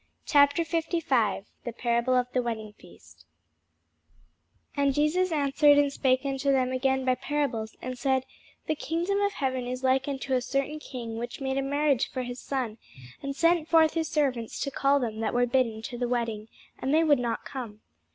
CHAPTER 55 PARABLE OF THE WEDDING FEAST AND Jesus answered and spake unto them again by parables, and said, The kingdom of heaven is like unto a certain king, which made a marriage for his son, and sent forth his servants to call them that were bidden to the wedding: and they would not come.